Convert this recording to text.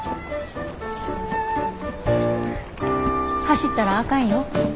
走ったらあかんよ。